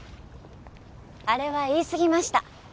あれは言いすぎました。